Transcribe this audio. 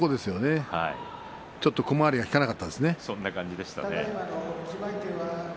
ちょっと小回りが利かなかったですね、土俵際。